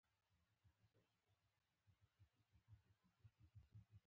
د نیکه نکل روان وي چي پلار تاو کړي خپل برېتونه